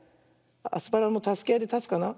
アスパラもたすけあいでたつかな。